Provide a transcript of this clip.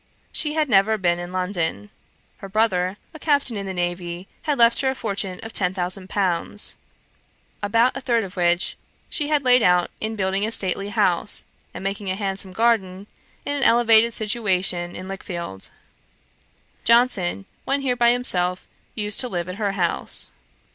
She had never been in London. Her brother, a Captain in the navy, had left her a fortune of ten thousand pounds; about a third of which she had laid out in building a stately house, and making a handsome garden, in an elevated situation in Lichfield. Johnson, when here by himself, used to live at her house.